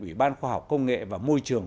ủy ban khoa học công nghệ và môi trường